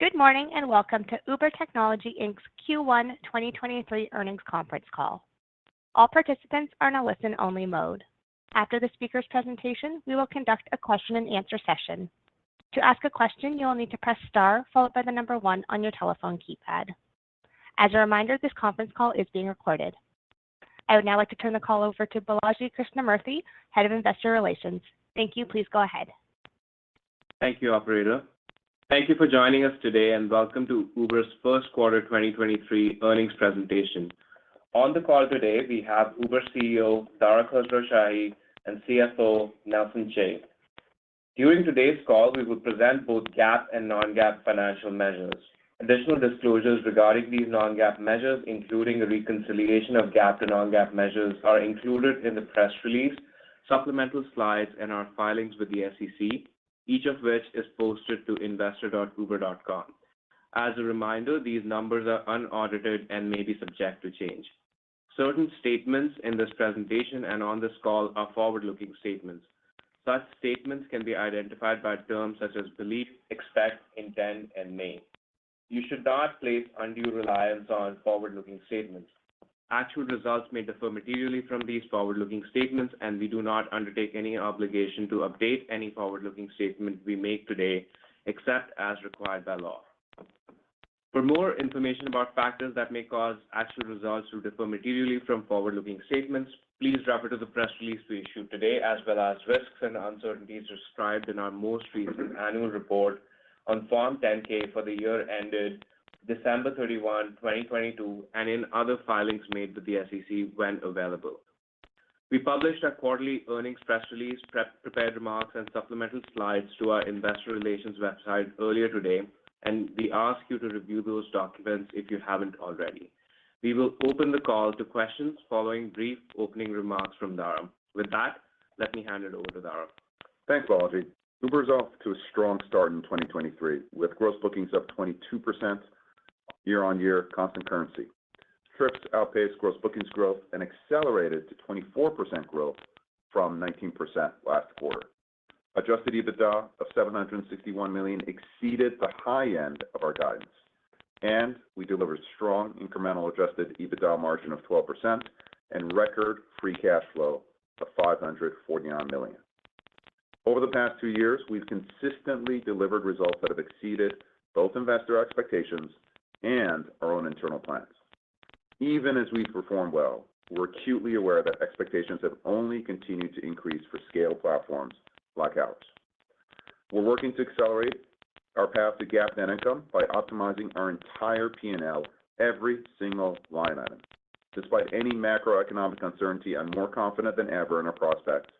Good morning, welcome to Uber Technologies Inc's Q1 2023 earnings conference call. All participants are in a listen only mode. After the speaker's presentation, we will conduct a question and answer session. To ask a question, you'll need to press star followed by one on your telephone keypad. As a reminder, this conference call is being recorded. I would now like to turn the call over to Balaji Krishnamurthy, Head of Investor Relations. Thank you. Please go ahead. Thank you, operator. Thank you for joining us today, and welcome to Uber's first quarter 2023 earnings presentation. On the call today, we have Uber CEO, Dara Khosrowshahi, and CFO, Nelson Chai. During today's call, we will present both GAAP and non-GAAP financial measures. Additional disclosures regarding these non-GAAP measures, including the reconciliation of GAAP to non-GAAP measures, are included in the press release, supplemental slides and our filings with the SEC, each of which is posted to investor.uber.com. As a reminder, these numbers are unaudited and may be subject to change. Certain statements in this presentation and on this call are forward-looking statements. Such statements can be identified by terms such as believe, expect, intend, and may. You should not place undue reliance on forward-looking statements. Actual results may differ materially from these forward-looking statements, and we do not undertake any obligation to update any forward-looking statement we make today, except as required by law. For more information about factors that may cause actual results to differ materially from forward-looking statements, please refer to the press release we issued today, as well as risks and uncertainties described in our most recent annual report on Form 10-K for the year ended December 31, 2022, and in other filings made with the SEC when available. We published our quarterly earnings press release, prepared remarks and supplemental slides to our investor relations website earlier today, and we ask you to review those documents if you haven't already. We will open the call to questions following brief opening remarks from Dara. With that, let me hand it over to Dara. Thanks, Balaji. Uber is off to a strong start in 2023, with gross bookings up 22% year-on-year constant currency. Trips outpaced gross bookings growth and accelerated to 24% growth from 19% last quarter. Adjusted EBITDA of $761 million exceeded the high end of our guidance. We delivered strong incremental Adjusted EBITDA margin of 12% and record free cash flow of $549 million. Over the past two years, we've consistently delivered results that have exceeded both investor expectations and our own internal plans. Even as we've performed well, we're acutely aware that expectations have only continued to increase for scale platforms like ours. We're working to accelerate our path to GAAP net income by optimizing our entire P&L, every single line item. Despite any macroeconomic uncertainty, I'm more confident than ever in our prospects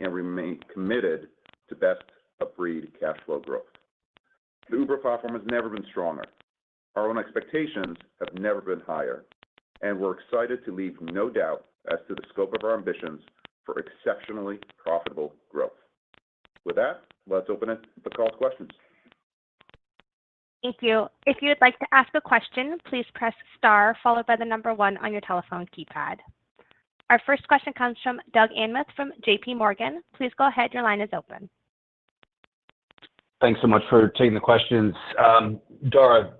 and remain committed to best-of-breed cash flow growth. The Uber platform has never been stronger. Our own expectations have never been higher. We're excited to leave no doubt as to the scope of our ambitions for exceptionally profitable growth. With that, let's open it to the call's questions. Thank you. If you would like to ask a question, please press star followed by 1 on your telephone keypad. Our first question comes from Doug Anmuth from J.P. Morgan. Please go ahead. Your line is open. Thanks so much for taking the questions. Dara,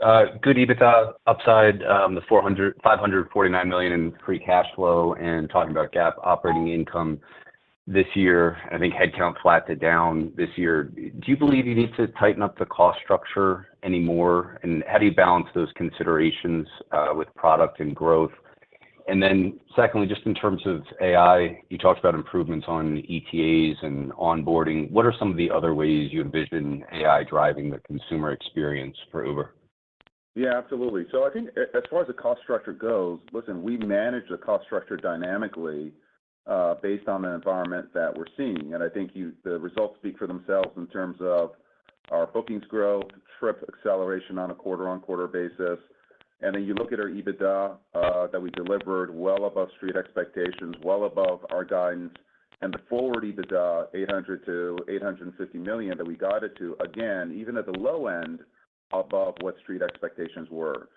good EBITDA upside, the $549 million in free cash flow and talking about GAAP operating income this year. I think headcount flat to down this year. Do you believe you need to tighten up the cost structure any more? How do you balance those considerations with product and growth? Secondly, just in terms of AI, you talked about improvements on ETAs and onboarding. What are some of the other ways you envision AI driving the consumer experience for Uber? Absolutely. I think as far as the cost structure goes, listen, we manage the cost structure dynamically, based on the environment that we're seeing, and I think the results speak for themselves in terms of our bookings growth, trip acceleration on a quarter-on-quarter basis. Then you look at our EBITDA that we delivered well above street expectations, well above our guidance, and the forward EBITDA, $800 million-$850 million that we guided to, again, even at the low end, above what street expectations were.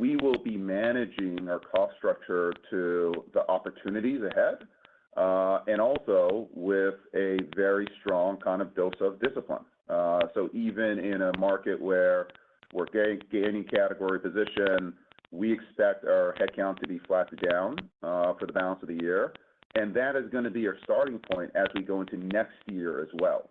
We will be managing our cost structure to the opportunities ahead, and also with a very strong kind of dose of discipline. Even in a market where we're gaining category position, we expect our headcount to be flat to down for the balance of the year. That is gonna be our starting point as we go into next year as well.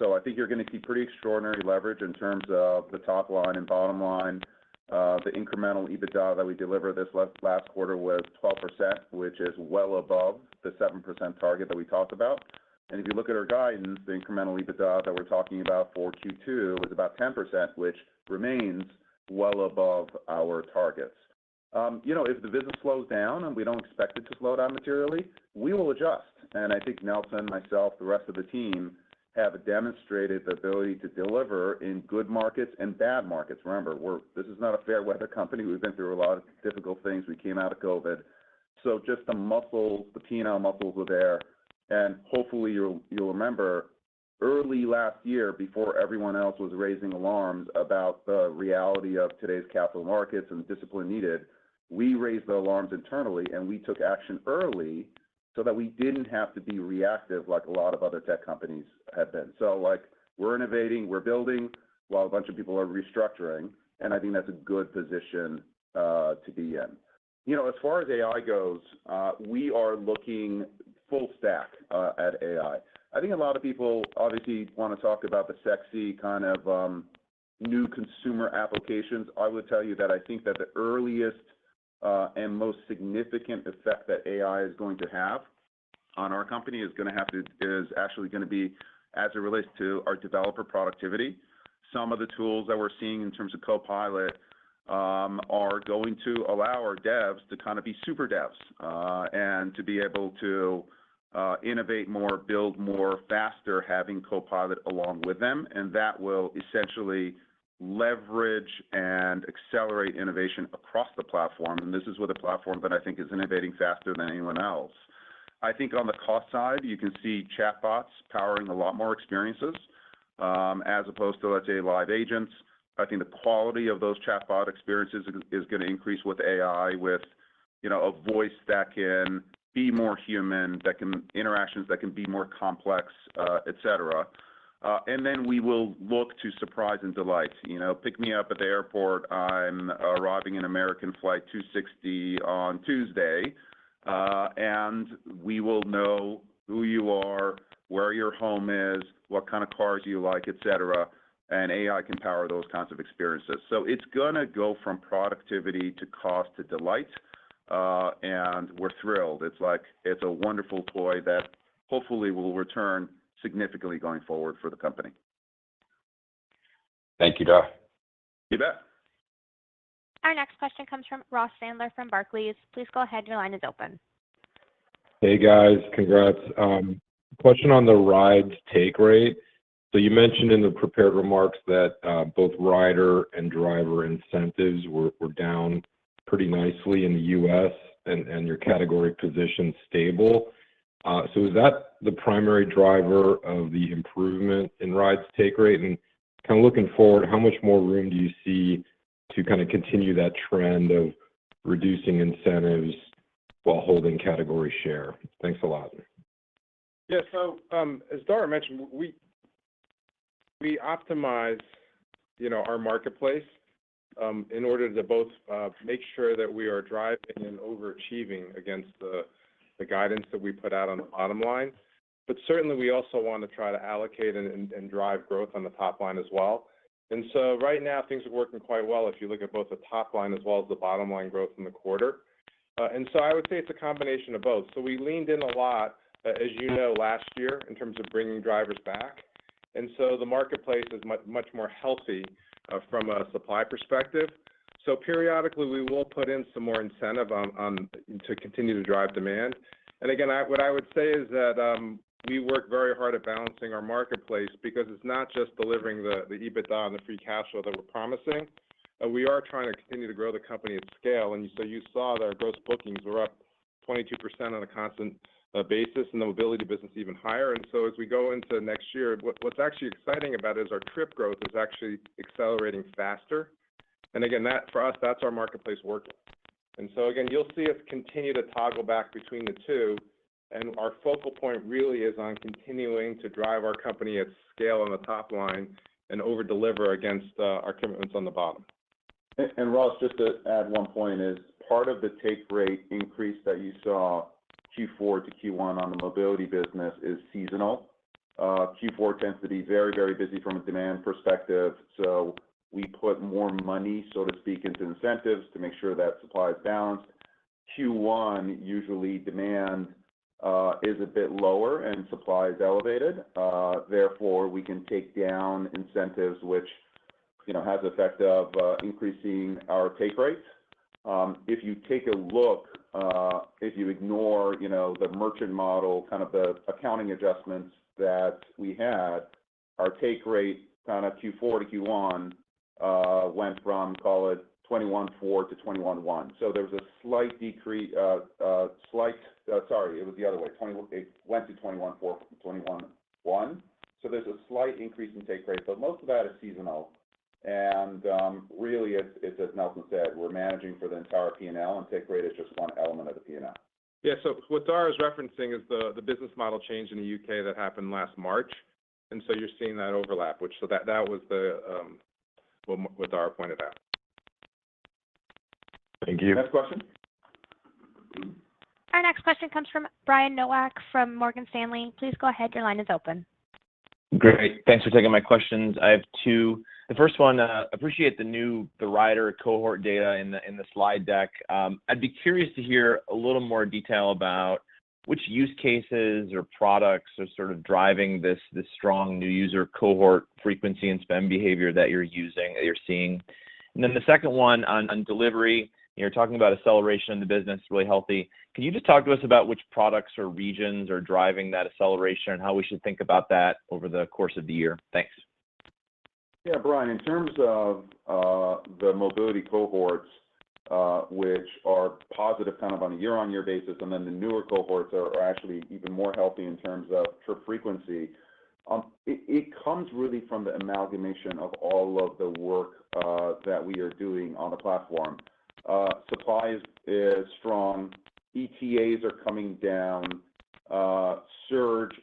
I think you're gonna see pretty extraordinary leverage in terms of the top line and bottom line. The incremental EBITDA that we delivered this last quarter was 12%, which is well above the 7% target that we talked about. If you look at our guidance, the incremental EBITDA that we're talking about for Q2 was about 10%, which remains well above our targets. You know, if the business slows down, and we don't expect it to slow down materially, we will adjust. I think Nelson, myself, the rest of the team have demonstrated the ability to deliver in good markets and bad markets. Remember, this is not a fair weather company. We've been through a lot of difficult things. We came out of COVID. Just the muscle, the P&L muscles are there. Hopefully you'll remember early last year, before everyone else was raising alarms about the reality of today's capital markets and the discipline needed, we raised the alarms internally, and we took action early so that we didn't have to be reactive like a lot of other tech companies have been. Like we're innovating, we're building while a bunch of people are restructuring, and I think that's a good position to be in. You know, as far as AI goes, we are looking full stack at AI. I think a lot of people obviously wanna talk about the sexy kind of new consumer applications. I would tell you that I think that the earliest, and most significant effect that AI is going to have on our company is actually gonna be as it relates to our developer productivity. Some of the tools that we're seeing in terms of Copilot, are going to allow our devs to kind of be super devs, and to be able to, innovate more, build more faster, having Copilot along with them, and that will essentially leverage and accelerate innovation across the platform. This is with a platform that I think is innovating faster than anyone else. I think on the cost side, you can see chatbots powering a lot more experiences, as opposed to, let's say, live agents. I think the quality of those chatbot experiences is gonna increase with AI, with, you know, a voice that can be more human, interactions that can be more complex, et cetera. Then we will look to surprise and delight. You know, pick me up at the airport. I'm arriving in American Flight 260 on Tuesday. And we will know who you are, where your home is, what kind of cars you like, et cetera, and AI can power those kinds of experiences. It's gonna go from productivity to cost to delight, and we're thrilled. It's like it's a wonderful toy that hopefully will return significantly going forward for the company. Thank you, Dara. You bet. Our next question comes from Ross Sandler from Barclays. Please go ahead. Your line is open. Hey, guys. Congrats. Question on the rides take rate. You mentioned in the prepared remarks that both rider and driver incentives were down pretty nicely in the U.S. and your category position stable. Is that the primary driver of the improvement in rides take rate? Kind of looking forward, how much more room do you see to kind of continue that trend of reducing incentives while holding category share? Thanks a lot. Yeah. As Dara mentioned, we optimize, you know, our marketplace, in order to both make sure that we are driving and overachieving against the guidance that we put out on the bottom line. Certainly, we also want to try to allocate and drive growth on the top line as well. Right now things are working quite well if you look at both the top line as well as the bottom line growth in the quarter. I would say it's a combination of both. We leaned in a lot, as you know, last year in terms of bringing drivers back, and so the marketplace is much more healthy, from a supply perspective. Periodically we will put in some more incentive on to continue to drive demand. Again, what I would say is that we work very hard at balancing our marketplace because it's not just delivering the EBITDA and the free cash flow that we're promising. We are trying to continue to grow the company at scale. You saw that our gross bookings were up 22% on a constant basis, and the mobility business even higher. As we go into next year, what's actually exciting about it is our trip growth is actually accelerating faster. Again, that, for us, that's our marketplace working. Again, you'll see us continue to toggle back between the two, and our focal point really is on continuing to drive our company at scale on the top line and over-deliver against our commitments on the bottom. Ross, just to add one point is part of the take rate increase that you saw Q4 to Q1 on the mobility business is seasonal. Q4 tends to be very, very busy from a demand perspective, so we put more money, so to speak, into incentives to make sure that supply is balanced. Q1, usually demand is a bit lower and supply is elevated, therefore, we can take down incentives which, you know, has effect of increasing our take rates. If you take a look, if you ignore, you know, the merchant model, kind of the accounting adjustments that we had, our take rate kind of Q4 to Q1 went from, call it 21.4% to 21.1%. There was a slight sorry, it was the other way. It went to 21.4% from 21.1%. There's a slight increase in take rate, but most of that is seasonal. Really it's as Nelson said, we're managing for the entire P&L, and take rate is just one element of the P&L. Yeah. What Dara is referencing is the business model change in the U.K. that happened last March, and so you're seeing that overlap, which so that was what Dara pointed out. Thank you. Next question. Our next question comes from Brian Nowak from Morgan Stanley. Please go ahead. Your line is open. Great. Thanks for taking my questions. I have two. The first one, appreciate the rider cohort data in the slide deck. I'd be curious to hear a little more detail about which use cases or products are sort of driving this strong new user cohort frequency and spend behavior that you're seeing. The second one on delivery, you know, talking about acceleration in the business, really healthy. Can you just talk to us about which products or regions are driving that acceleration and how we should think about that over the course of the year? Thanks. Brian, in terms of the mobility cohorts, which are positive kind of on a year-over-year basis, the newer cohorts are actually even more healthy in terms of trip frequency. It comes really from the amalgamation of all of the work that we are doing on the platform. Supply is strong, ETAs are coming down. Surge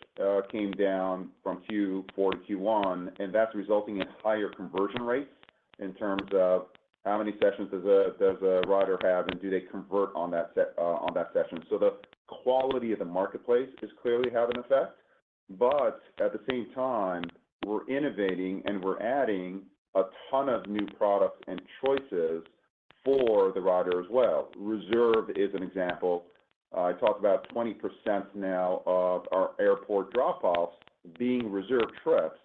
came down from Q4 to Q1, that's resulting in higher conversion rates in terms of how many sessions does a rider have, and do they convert on that session? The quality of the marketplace is clearly having effect, At the same time, we're innovating and we're adding a ton of new products and choices for the rider as well. Reserve is an example. I talked about 20% now of our airport drop-offs being Uber Reserve trips.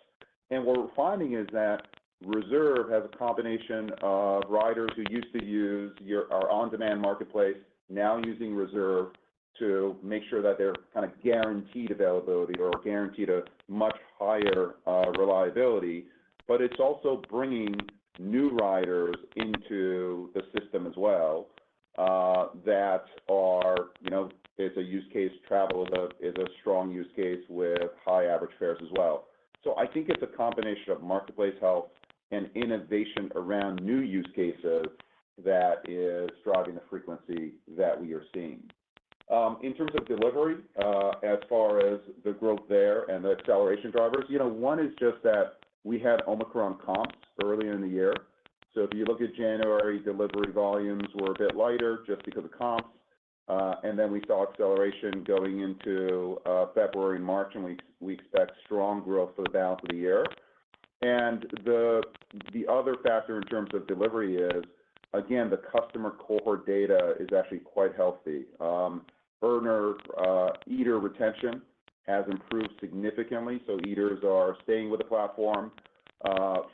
What we're finding is that Uber Reserve has a combination of riders who used to use our on-demand marketplace now using Uber Reserve to make sure that they're kind of guaranteed availability or guaranteed a much higher reliability, it's also bringing new riders into the system as well that are, you know, it's a use case. Travel is a strong use case with high average fares as well. I think it's a combination of marketplace health and innovation around new use cases that is driving the frequency that we are seeing. In terms of delivery, as far as the growth there and the acceleration drivers, you know, one is just that we had Omicron comps early in the year. If you look at January, delivery volumes were a bit lighter just because of comps, and then we saw acceleration going into February and March, we expect strong growth for the balance of the year. The other factor in terms of delivery is, again, the customer cohort data is actually quite healthy. Earner, eater retention has improved significantly, so eaters are staying with the platform.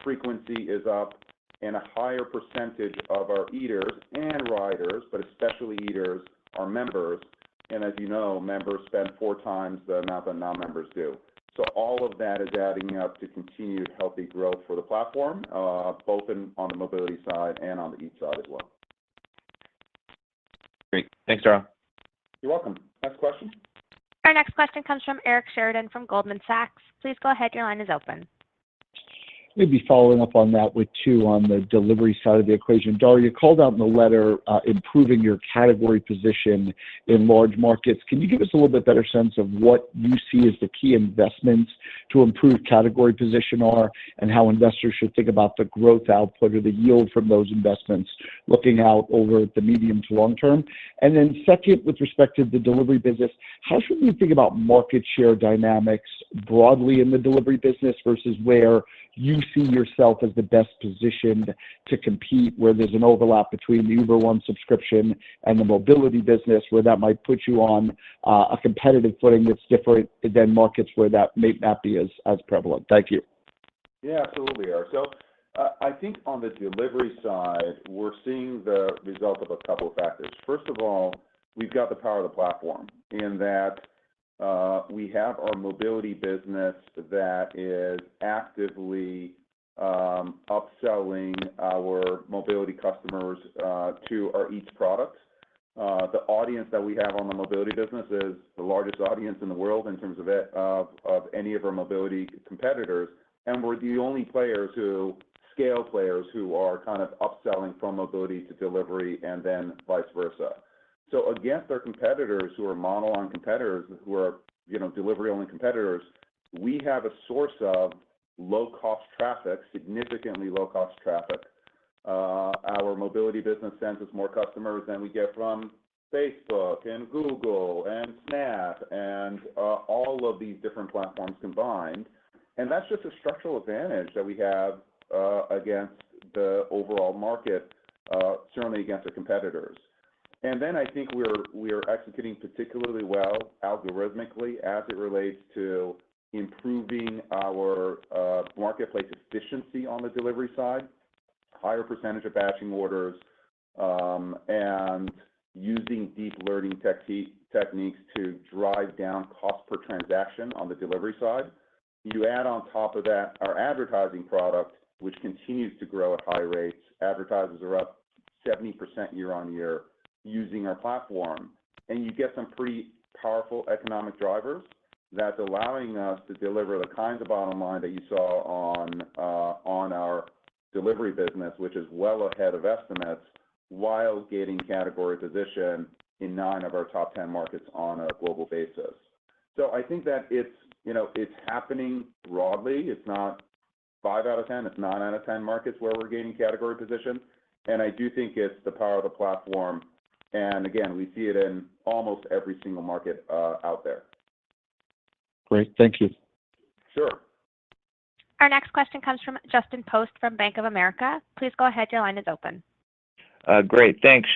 Frequency is up, and a higher percentage of our eaters and riders, but especially eaters, are members. As you know, members spend 4x the amount that non-members do. All of that is adding up to continued healthy growth for the platform, both in on the mobility side and on the Eats side as well. Great. Thanks, Dara. You're welcome. Next question. Our next question comes from Eric Sheridan from Goldman Sachs. Please go ahead. Your line is open. Maybe following up on that with too on the delivery side of the equation. Dara, you called out in the letter, improving your category position in large markets. Can you give us a little bit better sense of what you see as the key investments to improve category position are, and how investors should think about the growth output or the yield from those investments looking out over the medium to long term? Second, with respect to the delivery business, how should we think about market share dynamics broadly in the delivery business versus where you see yourself as the best positioned to compete, where there's an overlap between the Uber One subscription and the mobility business, where that might put you on a competitive footing that's different than markets where that may not be as prevalent? Thank you. Absolutely, Eric. I think on the delivery side, we're seeing the result of a couple of factors. First of all, we've got the power of the platform in that, we have our mobility business that is actively upselling our mobility customers to our Eats products. The audience that we have on the mobility business is the largest audience in the world in terms of any of our mobility competitors, and we're the only players scale players who are kind of upselling from mobility to delivery and then vice versa. Against our competitors who are model-on competitors, who are, you know, delivery-only competitors, we have a source of low-cost traffic, significantly low-cost traffic. Our mobility business sends us more customers than we get from Facebook and Google and Snap and all of these different platforms combined. That's just a structural advantage that we have against the overall market, certainly against our competitors. I think we're executing particularly well algorithmically as it relates to improving our marketplace efficiency on the delivery side, higher percentage of batching orders, and using deep learning techniques to drive down cost per transaction on the delivery side. You add on top of that our advertising product, which continues to grow at high rates. Advertisers are up 70% year-over-year using our platform, and you get some pretty powerful economic drivers that's allowing us to deliver the kinds of bottom line that you saw on our delivery business, which is well ahead of estimates, while gaining category position in 9 of our top 10 markets on a global basis. I think that it's, you know, it's happening broadly. It's not five out of 10, it's nine out of 10 markets where we're gaining category position. I do think it's the power of the platform. Again, we see it in almost every single market out there. Great. Thank you. Sure. Our next question comes from Justin Post from Bank of America. Please go ahead. Your line is open. Great. Thanks.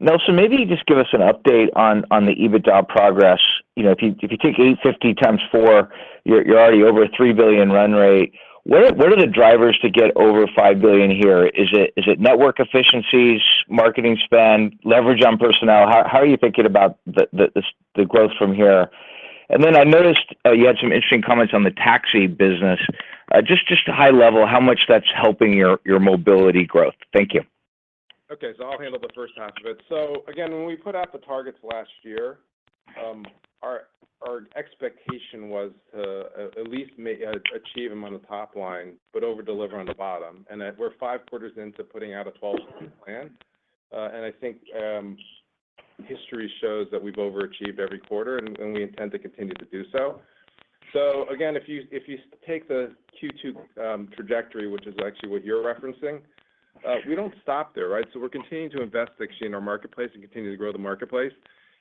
Nelson, maybe just give us an update on the EBITDA progress. You know, if you take $850 x 4, you're already over a $3 billion run rate. Where are the drivers to get over $5 billion here? Is it network efficiencies, marketing spend, leverage on personnel? How are you thinking about the growth from here? Then I noticed you had some interesting comments on the taxi business. Just high level, how much that's helping your mobility growth. Thank you. Okay, I'll handle the first half of it. Again, when we put out the targets last year, our expectation was to at least achieve them on the top line, but over-deliver on the bottom. That we're five quarters into putting out a 12-quarter plan. I think history shows that we've overachieved every quarter, and we intend to continue to do so. Again, if you take the Q2 trajectory, which is actually what you're referencing, we don't stop there, right? We're continuing to invest actually in our marketplace and continue to grow the marketplace.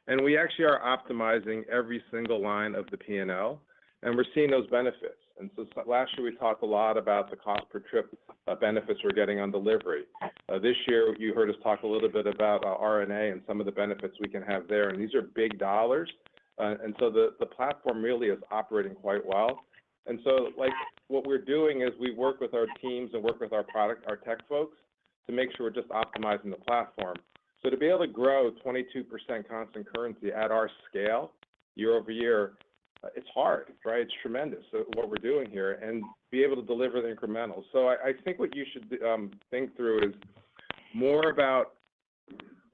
We actually are optimizing every single line of the P&L, and we're seeing those benefits. Last year we talked a lot about the cost per trip benefits we're getting on delivery. This year you heard us talk a little bit about RNA and some of the benefits we can have there, and these are big dollars. The platform really is operating quite well. Like what we're doing is we work with our teams and work with our product, our tech folks, to make sure we're just optimizing the platform. To be able to grow 22% constant currency at our scale year-over-year, it's hard, right? It's tremendous, so what we're doing here, and be able to deliver the incremental. I think what you should think through is more about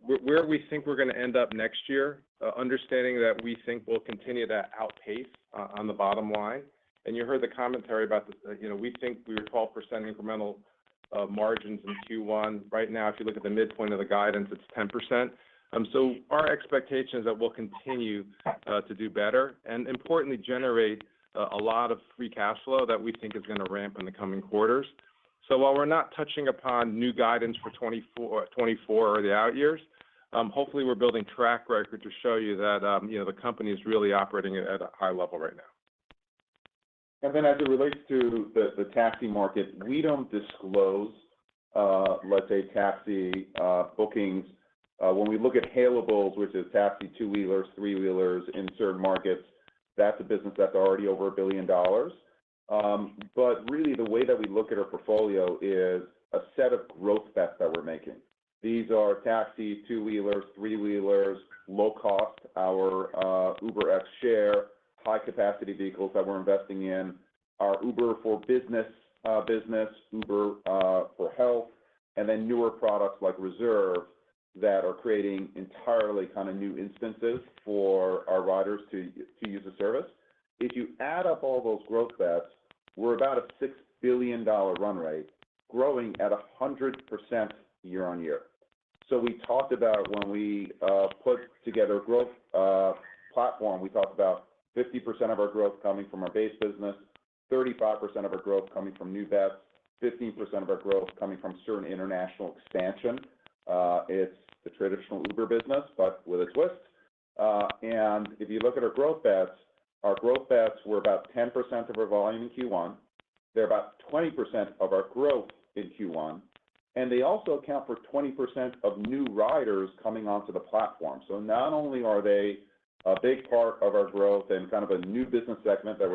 where we think we're gonna end up next year, understanding that we think we'll continue that outpace on the bottom line. You heard the commentary about the, you know, we think we were 12% incremental margins in Q1. Right now, if you look at the midpoint of the guidance, it's 10%. Our expectation is that we'll continue to do better, and importantly, generate a lot of free cash flow that we think is gonna ramp in the coming quarters. While we're not touching upon new guidance for 2024 or the out years, hopefully we're building track record to show you that, you know, the company is really operating at a high level right now. As it relates to the taxi market, we don't disclose, let's say, taxi bookings. When we look at hailables, which is taxi, two-wheelers, three-wheelers in certain markets, that's a business that's already over $1 billion. Really the way that we look at our portfolio is a set of growth bets that we're making. These are taxis, two-wheelers, three-wheelers, low cost, our UberX Share, high-capacity vehicles that we're investing in, our Uber for Business business, Uber Health, and then newer products like Uber Reserve that are creating entirely kind of new instances for our riders to use the service. If you add up all those growth bets, we're about a $6 billion run rate growing at 100% year-on-year. We talked about when we put together a growth platform, we talked about 50% of our growth coming from our base business, 35% of our growth coming from new bets, 15% of our growth coming from certain international expansion. It's the traditional Uber business, but with a twist. If you look at our growth bets, our growth bets were about 10% of our volume in Q1. They're about 20% of our growth in Q1, and they also account for 20% of new riders coming onto the platform. Not only are they a big part of our growth and kind of a new business segment that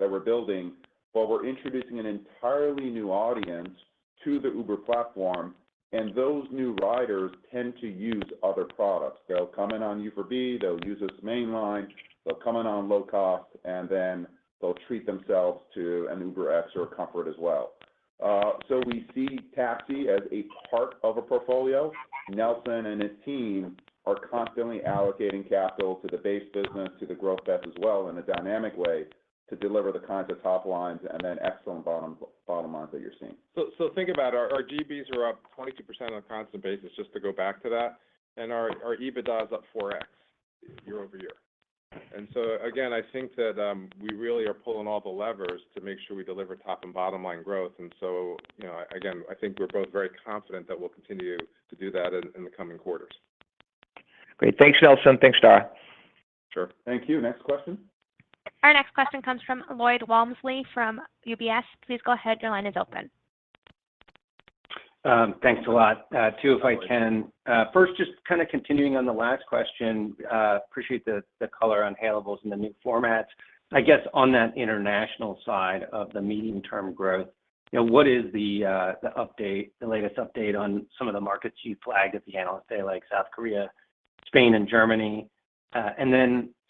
we're building, but we're introducing an entirely new audience to the Uber platform, and those new riders tend to use other products. They'll come in on UberB, they'll use us mainline, they'll come in on low cost, and then they'll treat themselves to an UberX or an Uber Comfort as well. We see taxi as a part of a portfolio. Nelson and his team are constantly allocating capital to the base business, to the growth bets as well, in a dynamic way to deliver the kinds of top lines and then excellent bottom lines that you're seeing. So think about it. Our GBs are up 22% on a constant basis, just to go back to that, and our EBITDA is up 4x year-over-year. Again, I think that we really are pulling all the levers to make sure we deliver top and bottom line growth. You know, again, I think we're both very confident that we'll continue to do that in the coming quarters. Great. Thanks, Nelson. Thanks, Dara. Sure. Thank you. Next question. Our next question comes from Lloyd Walmsley from UBS. Please go ahead. Your line is open. Thanks a lot. Two if I can. First, just kind of continuing on the last question, appreciate the color on Hailables and the new formats. I guess on that international side of the medium-term growth, you know, what is the update, the latest update on some of the markets you flagged at the Analyst Day, like South Korea, Spain and Germany?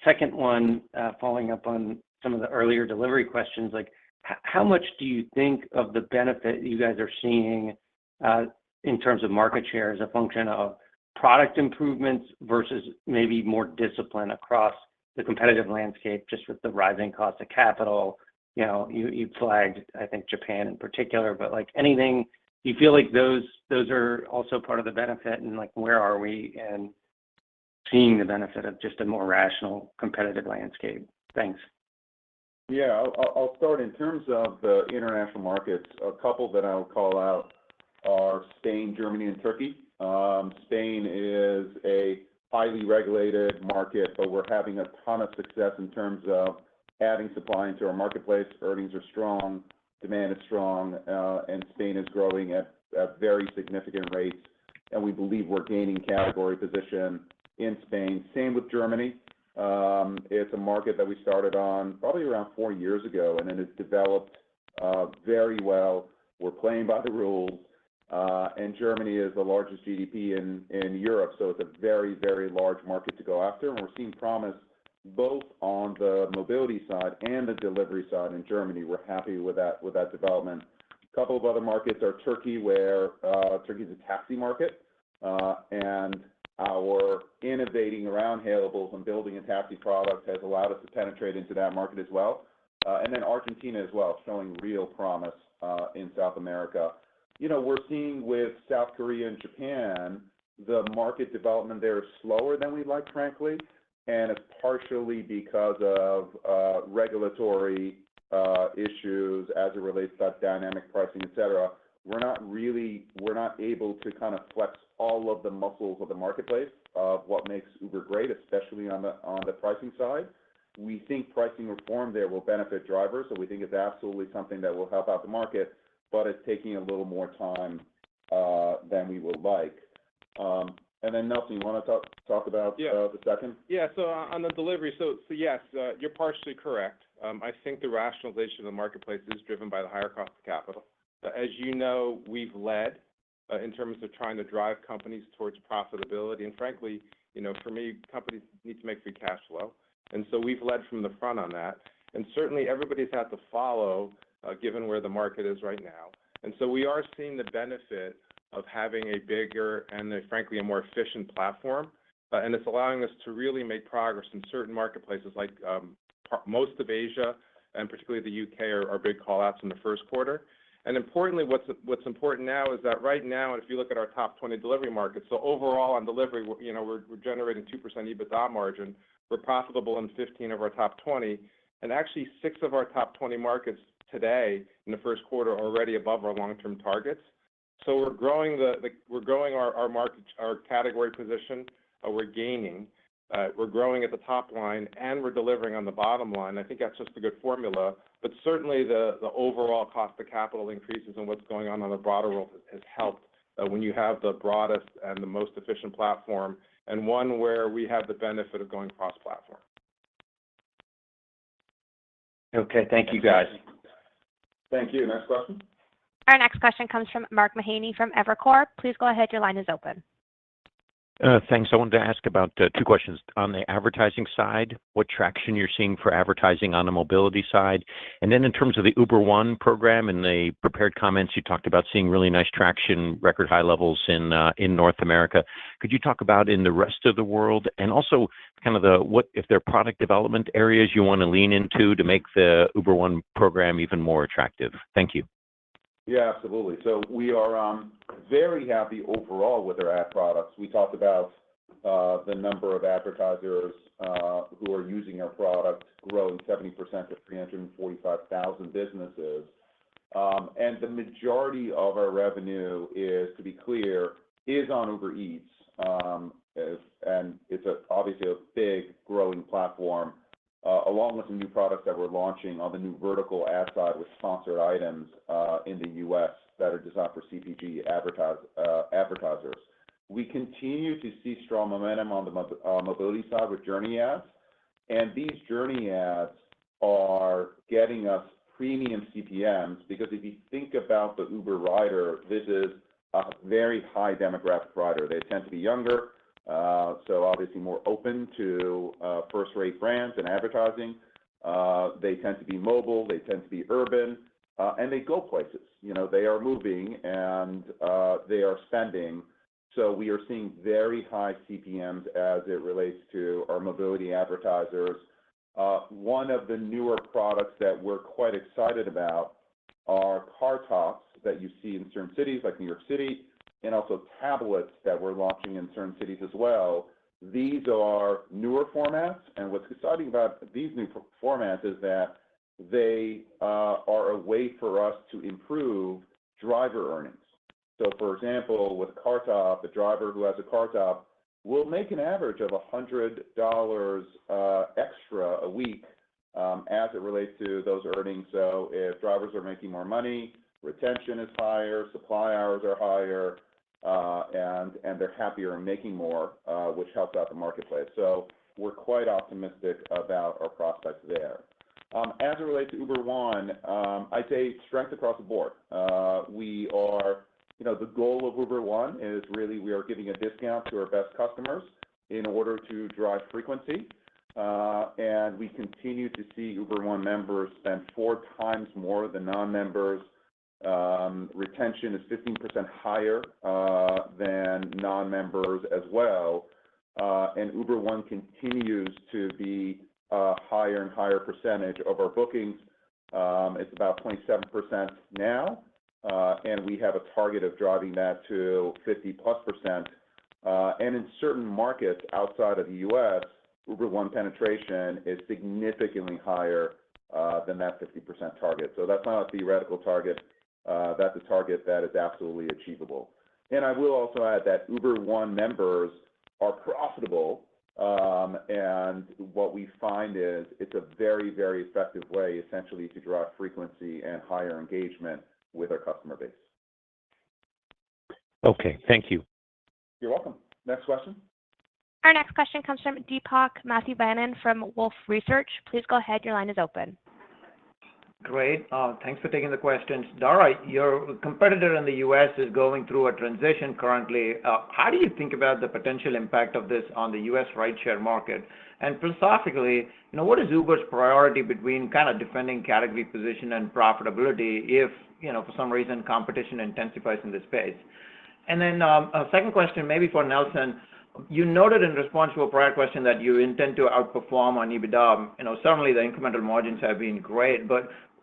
Second one, following up on some of the earlier delivery questions, like how much do you think of the benefit you guys are seeing in terms of market share as a function of product improvements versus maybe more discipline across the competitive landscape, just with the rising cost of capital? You know, you flagged, I think Japan in particular, but like anything, do you feel like those are also part of the benefit and like where are we in seeing the benefit of just a more rational competitive landscape? Thanks. Yeah. I'll start. In terms of the international markets, a couple that I would call out are Spain, Germany and Turkey. Spain is a highly regulated market, but we're having a ton of success in terms of adding supply into our marketplace. Earnings are strong, demand is strong. Spain is growing at very significant rates, and we believe we're gaining category position in Spain. Same with Germany. It's a market that we started on probably around four years ago, and it has developed very well. We're playing by the rules. Germany is the largest GDP in Europe. It's a very large market to go after. We're seeing promise. Both on the mobility side and the delivery side in Germany, we're happy with that development. A couple of other markets are Turkey, where Turkey is a taxi market, and our innovating around Hailables and building a taxi product has allowed us to penetrate into that market as well. Argentina as well, showing real promise in South America. You know, we're seeing with South Korea and Japan, the market development there is slower than we'd like, frankly, and it's partially because of regulatory issues as it relates to dynamic pricing, et cetera. We're not able to kind of flex all of the muscles of the marketplace of what makes Uber great, especially on the pricing side. We think pricing reform there will benefit drivers, we think it's absolutely something that will help out the market, but it's taking a little more time than we would like. Nelson, you wanna talk about the second? On the delivery yes, you're partially correct. I think the rationalization of the marketplace is driven by the higher cost of capital. As you know, we've led in terms of trying to drive companies towards profitability. Frankly, you know, for me, companies need to make free cash flow. We've led from the front on that. Certainly, everybody's had to follow given where the market is right now. We are seeing the benefit of having a bigger and frankly, a more efficient platform. And it's allowing us to really make progress in certain marketplaces like most of Asia and particularly the U.K. are big call-outs in the first quarter. Importantly, what's important now is that right now, if you look at our top 20 delivery markets, overall on delivery, you know, we're generating 2% EBITDA margin. We're profitable in 15 of our top 20, actually six of our top 20 markets today in the first quarter are already above our long-term targets. We're growing our market, our category position, we're gaining. We're growing at the top line, we're delivering on the bottom line. I think that's just a good formula. Certainly, the overall cost of capital increases and what's going on on the broader world has helped when you have the broadest and the most efficient platform, one where we have the benefit of going cross-platform. Okay. Thank you, guys. Thank you. Next question. Our next question comes from Mark Mahaney from Evercore. Please go ahead. Your line is open. Thanks. I wanted to ask about two questions. On the advertising side, what traction you're seeing for advertising on the mobility side? In terms of the Uber One program. In the prepared comments, you talked about seeing really nice traction, record high levels in North America. Could you talk about in the rest of the world? Also kind of the what if there are product development areas you wanna lean into to make the Uber One program even more attractive. Thank you. Absolutely. We are very happy overall with our ad products. We talked about the number of advertisers who are using our product growing 70% to 345,000 businesses. The majority of our revenue is, to be clear, is on Uber Eats. It's obviously a big growing platform along with the new products that we're launching on the new vertical ad side with Sponsored Items in the U.S. that are designed for CPG advertisers. We continue to see strong momentum on the mobility side with Journey Ads, and these Journey Ads are getting us premium CPMs because if you think about the Uber rider, this is a very high demographic rider. They tend to be younger, so obviously more open to first-rate brands and advertising. They tend to be mobile, they tend to be urban, they go places. You know, they are moving, they are spending. We are seeing very high CPMs as it relates to our mobility advertisers. One of the newer products that we're quite excited about are Car Tops that you see in certain cities like New York City, also tablets that we're launching in certain cities as well. These are newer formats, what's exciting about these new formats is that they are a way for us to improve driver earnings. For example, with Car Top, a driver who has a Car Top will make an average of $100 extra a week as it relates to those earnings. If drivers are making more money, retention is higher, supply hours are higher, and they're happier and making more, which helps out the marketplace. As it relates to Uber One, I'd say strength across the board. You know, the goal of Uber One is really we are giving a discount to our best customers in order to drive frequency. And we continue to see Uber One members spend 4x more than non-members. Retention is 15% higher than non-members as well. And Uber One continues to be a higher and higher percentage of our bookings. It's about 0.7% now, and we have a target of driving that to 50-plus %. In certain markets outside of the U.S., Uber One penetration is significantly higher than that 50% target. That's not a theoretical target. That's a target that is absolutely achievable. I will also add that Uber One members are profitable. What we find is it's a very, very effective way essentially to drive frequency and higher engagement with our customer base. Okay. Thank you. You're welcome. Next question. Our next question comes from Deepak Mathivanan from Wolfe Research. Please go ahead. Your line is open. Great. Thanks for taking the questions. Dara, your competitor in the U.S. is going through a transition currently. Philosophically, you know, what is Uber's priority between kinda defending category position and profitability if, you know, for some reason, competition intensifies in this space? A second question maybe for Nelson. You noted in response to a prior question that you intend to outperform on EBITDA. You know, certainly the incremental margins have been great.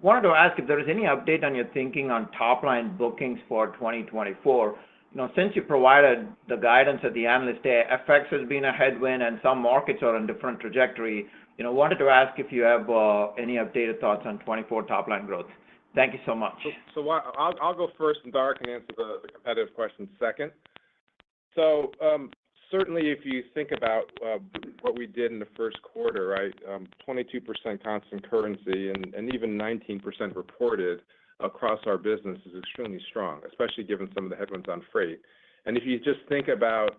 Wanted to ask if there is any update on your thinking on top-line bookings for 2024. You know, since you provided the guidance at the Analyst Day, FX has been a headwind and some markets are on different trajectory. You know, wanted to ask if you have any updated thoughts on 2024 top-line growth. Thank you so much. What. I'll go first, and Dara can answer the competitive question second. Certainly if you think about what we did in the first quarter, right. 22% constant currency and even 19% reported across our business is extremely strong, especially given some of the headwinds on freight. If you just think about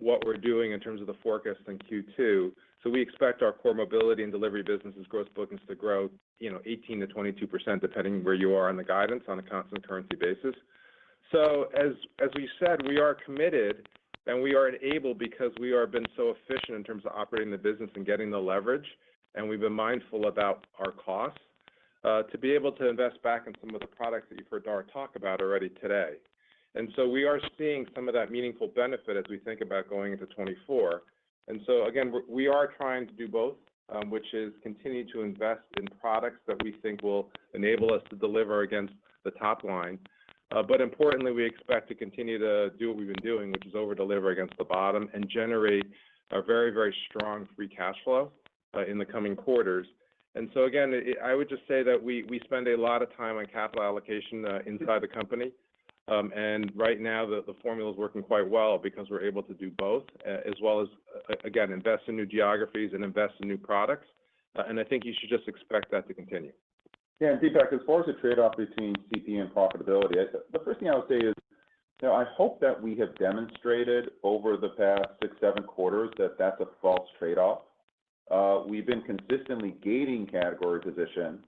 what we're doing in terms of the forecast in Q2, We expect our core mobility and delivery businesses' gross bookings to grow, you know, 18%-22% depending where you are on the guidance on a constant currency basis. As we said, we are committed, and we are enabled because we been so efficient in terms of operating the business and getting the leverage, and we've been mindful about our costs to be able to invest back in some of the products that you've heard Dara talk about already today. We are seeing some of that meaningful benefit as we think about going into 2024. Again, we are trying to do both, which is continue to invest in products that we think will enable us to deliver against the top line. Importantly, we expect to continue to do what we've been doing, which is over-deliver against the bottom and generate a very, very strong free cash flow in the coming quarters. Again, I would just say that we spend a lot of time on capital allocation inside the company. Right now, the formula's working quite well because we're able to do both, as well as again, invest in new geographies and invest in new products. I think you should just expect that to continue. Yeah, Deepak, as far as the trade-off between CPE and profitability, the first thing I would say is, you know, I hope that we have demonstrated over the past six, seven quarters that that's a false trade-off. We've been consistently gaining category position.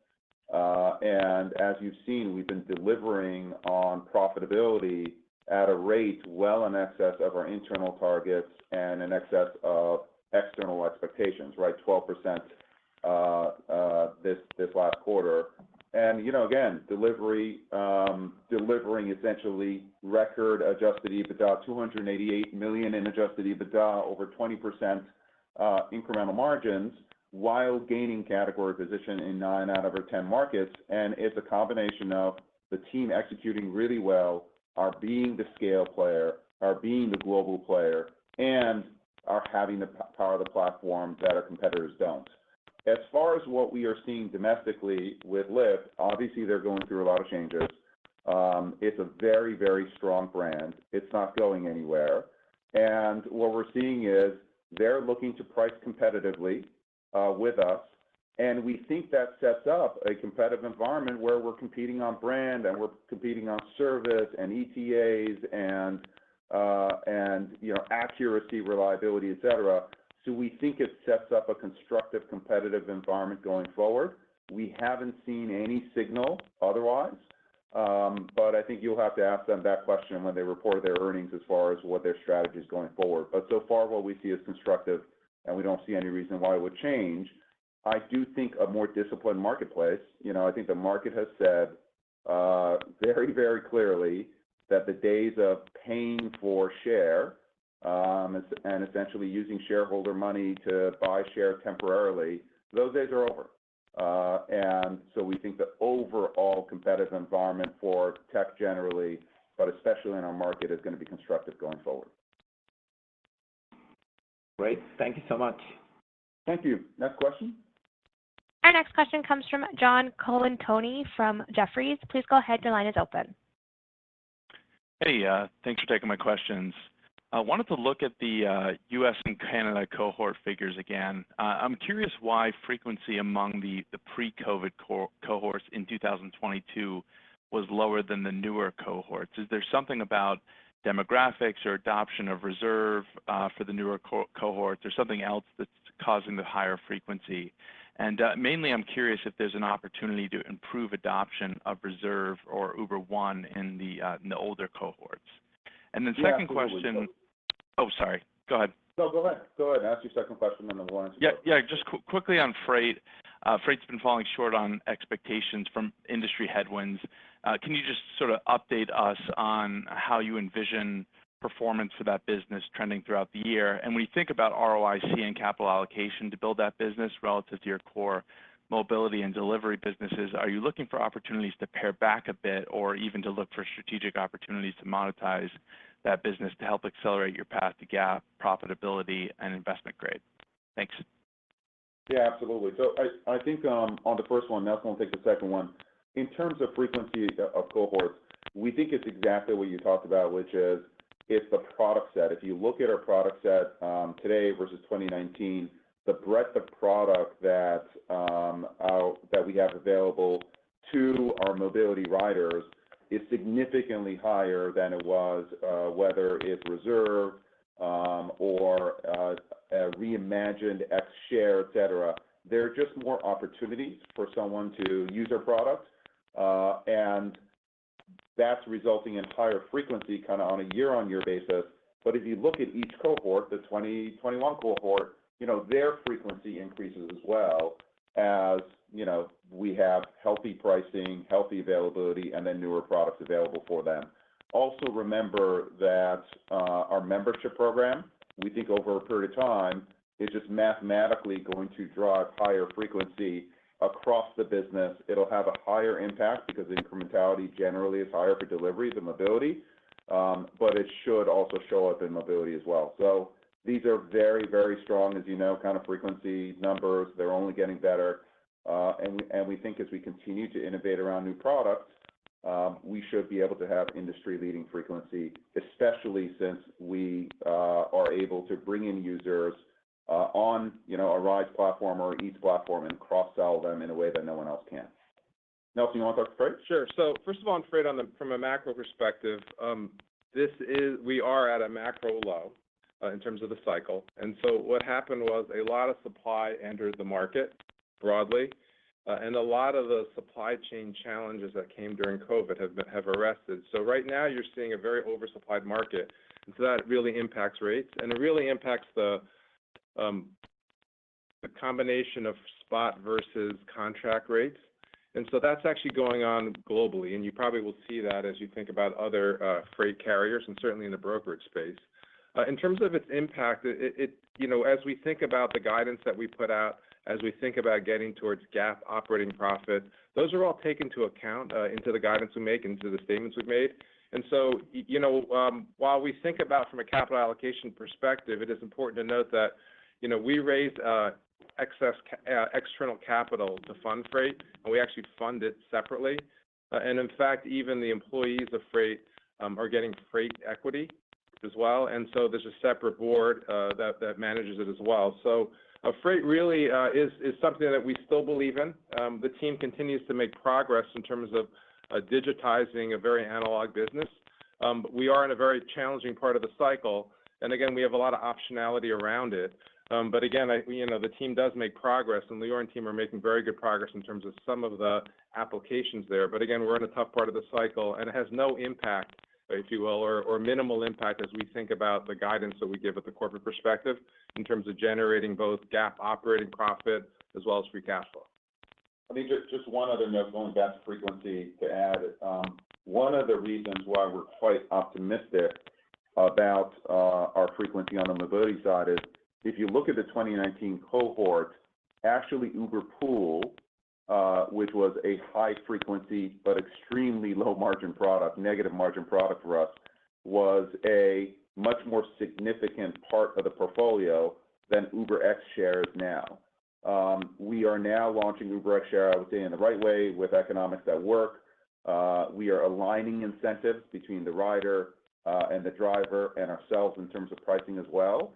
As you've seen, we've been delivering on profitability at a rate well in excess of our internal targets and in excess of external expectations, right? 12%, this last quarter. You know, again, delivery, delivering essentially record Adjusted EBITDA, $288 million in Adjusted EBITDA, over 20% incremental margins while gaining category position in nine out of our 10 markets. It's a combination of the team executing really well, our being the scale player, our being the global player, and our having the power of the platform that our competitors don't. As far as what we are seeing domestically with Lyft, obviously they're going through a lot of changes. It's a very strong brand. It's not going anywhere. What we're seeing is they're looking to price competitively with us, and we think that sets up a competitive environment where we're competing on brand, and we're competing on service and ETAs and, you know, accuracy, reliability, et cetera. We think it sets up a constructive, competitive environment going forward. We haven't seen any signal otherwise, I think you'll have to ask them that question when they report their earnings as far as what their strategy is going forward. So far what we see is constructive, and we don't see any reason why it would change. I do think a more disciplined marketplace, you know, I think the market has said, very, very clearly that the days of paying for share, and essentially using shareholder money to buy share temporarily, those days are over. We think the overall competitive environment for tech generally, but especially in our market, is gonna be constructive going forward. Great. Thank you so much. Thank you. Next question. Our next question comes from John Colantuoni from Jefferies. Please go ahead. Your line is open. Hey, thanks for taking my questions. I wanted to look at the U.S. and Canada cohort figures again. I'm curious why frequency among the pre-COVID cohorts in 2022 was lower than the newer cohorts. Is there something about demographics or adoption of Reserve for the newer cohorts, or something else that's causing the higher frequency? Mainly I'm curious if there's an opportunity to improve adoption of Reserve or Uber One in the older cohorts. Second question. Yeah, absolutely. Oh, sorry. Go ahead. No, go ahead. Go ahead. Ask your second question, and then we'll answer. Yeah, just quickly on freight. Freight's been falling short on expectations from industry headwinds. Can you just sort of update us on how you envision performance of that business trending throughout the year? When you think about ROIC and capital allocation to build that business relative to your core mobility and delivery businesses, are you looking for opportunities to pare back a bit or even to look for strategic opportunities to monetize that business to help accelerate your path to GAAP, profitability, and investment grade? Thanks. Absolutely. I think, on the first one, Nelson will take the second one. In terms of frequency of cohorts, we think it's exactly what you talked about, which is it's the product set. If you look at our product set, today versus 2019, the breadth of product that we have available to our mobility riders is significantly higher than it was, whether it's Reserve, or a reimagined X Share, et cetera. There are just more opportunities for someone to use our products, and that's resulting in higher frequency kind of on a year-on-year basis. If you look at each cohort, the 2021 cohort, you know, their frequency increases as well. As you know, we have healthy pricing, healthy availability, and then newer products available for them. Also remember that, our membership program, we think over a period of time, is just mathematically going to drive higher frequency across the business. It'll have a higher impact because the incrementality generally is higher for delivery than mobility, but it should also show up in mobility as well. These are very, very strong, as you know, kind of frequency numbers. They're only getting better. We, and we think as we continue to innovate around new products, we should be able to have industry-leading frequency, especially since we, are able to bring in users, on, you know, a rides platform or an Eats platform and cross-sell them in a way that no one else can. Nelson, you want to talk Freight? Sure. First of all, on Freight from a macro perspective, we are at a macro low in terms of the cycle. What happened was a lot of supply entered the market broadly. A lot of the supply chain challenges that came during COVID have arrested. Right now you're seeing a very oversupplied market, and so that really impacts rates, and it really impacts the combination of spot versus contract rates. That's actually going on globally, and you probably will see that as you think about other freight carriers and certainly in the brokerage space. In terms of its impact, it, you know, as we think about the guidance that we put out, as we think about getting towards GAAP operating profit, those are all taken into account into the guidance we make, into the statements we've made. You know, while we think about from a capital allocation perspective, it is important to note that, you know, we raised external capital to fund Freight, and we actually fund it separately. In fact, even the employees of Freight are getting Freight equity as well. There's a separate board that manages it as well. Freight really is something that we still believe in. The team continues to make progress in terms of digitizing a very analog business. We are in a very challenging part of the cycle, and again, we have a lot of optionality around it. Again, you know, the team does make progress, and the Lior Ron team are making very good progress in terms of some of the applications there. Again, we're in a tough part of the cycle, and it has no impact, if you will, or minimal impact as we think about the guidance that we give at the corporate perspective in terms of generating both GAAP operating profit as well as free cash flow. I think just one other note going back to frequency to add. One of the reasons why we're quite optimistic about our frequency on the mobility side is if you look at the 2019 cohort, actually Uber Pool, which was a high frequency but extremely low margin product, negative margin product for us, was a much more significant part of the portfolio than UberX Share is now. We are now launching UberX Share, I would say, in the right way with economics that work. We are aligning incentives between the rider and the driver and ourselves in terms of pricing as well.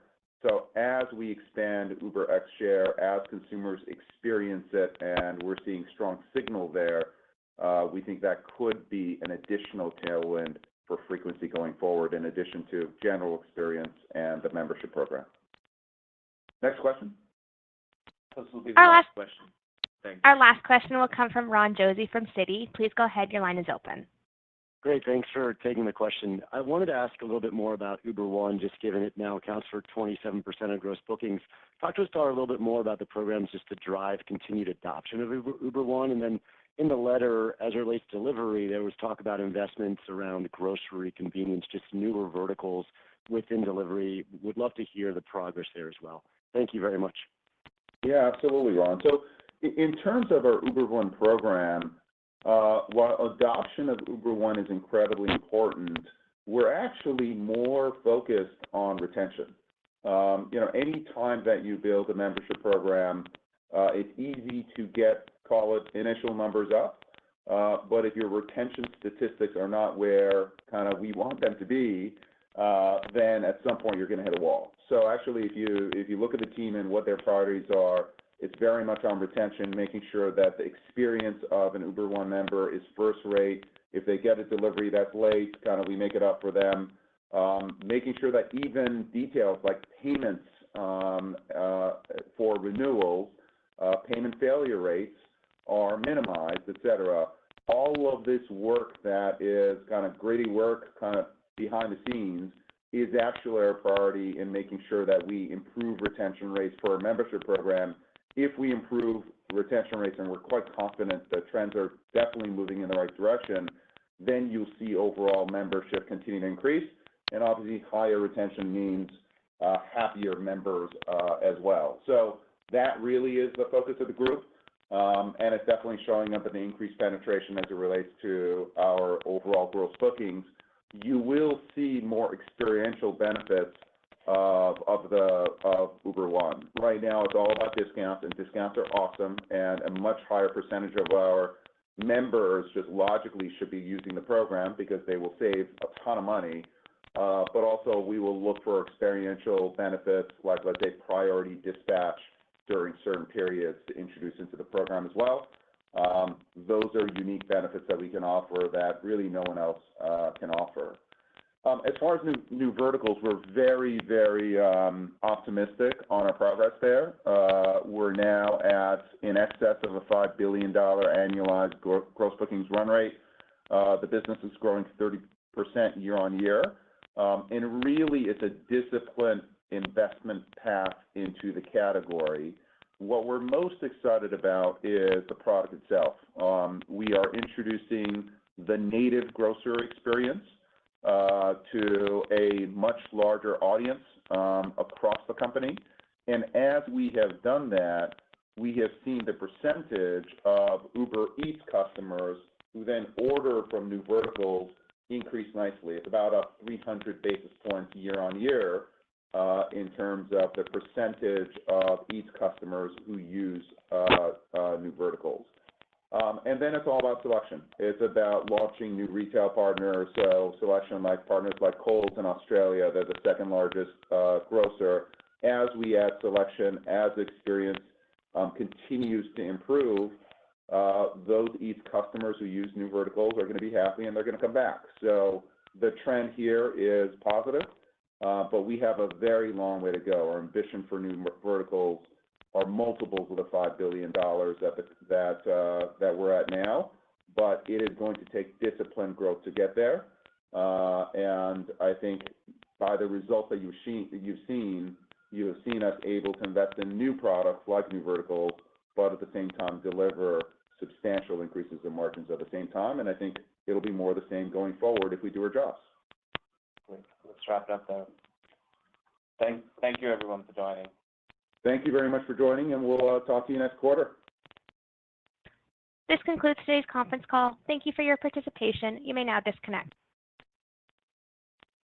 As we expand UberX Share, as consumers experience it, and we're seeing strong signal there, we think that could be an additional tailwind for frequency going forward in addition to general experience and the membership program. Next question. This will be the last question. Thanks. Our last question will come from Ron Josey from Citi. Please go ahead. Your line is open. Great. Thanks for taking the question. I wanted to ask a little bit more about Uber One, just given it now accounts for 27% of Gross Bookings. Talk to us, Dara, a little bit more about the programs just to drive continued adoption of Uber One. In the letter, as it relates to Delivery, there was talk about investments around grocery convenience, just newer verticals within Delivery. Would love to hear the progress there as well. Thank you very much. Yeah, absolutely, Ron. In terms of our Uber One program, while adoption of Uber One is incredibly important, we're actually more focused on retention. You know, any time that you build a membership program, it's easy to get, call it, initial numbers up. If your retention statistics are not where kind of we want them to be, then at some point you're gonna hit a wall. Actually, if you, if you look at the team and what their priorities are, it's very much on retention, making sure that the experience of an Uber One member is first rate. If they get a delivery that's late, kind of we make it up for them. Making sure that even details like payments, for renewals, payment failure rates are minimized, et cetera. All of this work that is kind of gritty work, kind of behind the scenes is actually our priority in making sure that we improve retention rates for our membership program. If we improve retention rates, and we're quite confident that trends are definitely moving in the right direction, then you'll see overall membership continue to increase. Obviously, higher retention means happier members as well. That really is the focus of the group. It's definitely showing up in the increased penetration as it relates to our overall gross bookings. You will see more experiential benefits of Uber One. Right now, it's all about discounts, and discounts are awesome, and a much higher percentage of our members just logically should be using the program because they will save a ton of money. Also we will look for experiential benefits like a priority dispatch during certain periods to introduce into the program as well. Those are unique benefits that we can offer that really no one else can offer. As far as new verticals, we're very optimistic on our progress there. We're now at in excess of a $5 billion annualized Gross Bookings run rate. The business is growing 30% year-on-year, really it's a disciplined investment path into the category. What we're most excited about is the product itself. We are introducing the native grocer experience to a much larger audience across the company. As we have done that, we have seen the percentage of Uber Eats customers who then order from new verticals increase nicely. It's about a 300 basis points year on year in terms of the percentage of Eats customers who use new verticals. It's all about selection. It's about launching new retail partners, so selection like partners like Coles in Australia, they're the second-largest grocer. As we add selection, as experience continues to improve, those Eats customers who use new verticals are gonna be happy, and they're gonna come back. The trend here is positive, but we have a very long way to go. Our ambition for new verticals are multiples of $5 billion that we're at now. It is going to take disciplined growth to get there. I think by the results that you've seen, you have seen us able to invest in new products like new verticals. At the same time, deliver substantial increases in margins at the same time. I think it'll be more the same going forward if we do our jobs. Great. Let's wrap it up then. Thank you everyone for joining. Thank you very much for joining. We'll talk to you next quarter. This concludes today's conference call. Thank you for your participation. You may now disconnect.